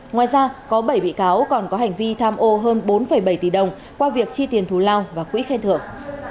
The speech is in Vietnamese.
ngoài ra có bảy bị cáo còn có hành vi tham ô hơn bốn bảy tỷ đồng qua việc chi tiền thù lao và quỹ khen thưởng